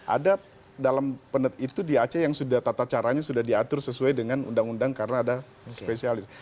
ada dalam penet itu di aceh yang sudah tata caranya sudah diatur sesuai dengan undang undang karena ada spesialis